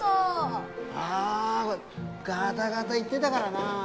あガタガタいってだがらなあ。